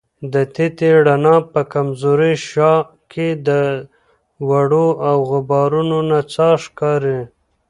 د تتي رڼا په کمزورې شعاع کې د دوړو او غبارونو نڅا ښکاري.